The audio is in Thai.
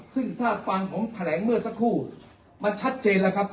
ซึ่งถ้าฟังผมแถลงเมื่อสักครู่มันชัดเจนแล้วครับ